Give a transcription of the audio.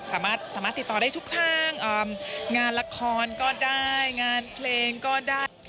สามารถติดต่อได้ทุกทางงานละครก็ได้งานเพลงก็ได้